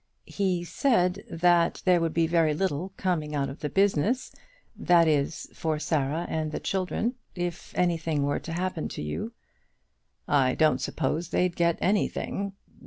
"He said that there would be very little coming out of the business that is, for Sarah and the children if anything were to happen to you." "I don't suppose they'd get anything.